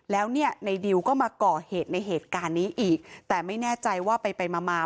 แล้วเนี่ยในดิวก็มาก่อเหตุในเหตุการณ์นี้อีกแต่ไม่แน่ใจว่าไปไปมามา